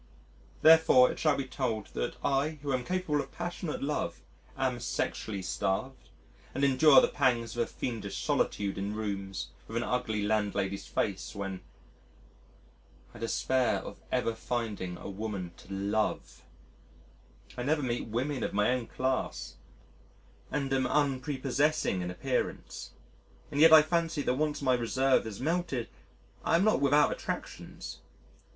Therefore it shall be told that I who am capable of passionate love am sexually starved, and endure the pangs of a fiendish solitude in rooms, with an ugly landlady's face when ... I despair of ever finding a woman to love. I never meet women of my own class, and am unprepossessing in appearance and yet I fancy that once my reserve is melted I am not without attractions.